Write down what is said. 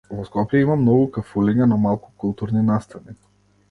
Во Скопје има многу кафулиња, но малку културни настани.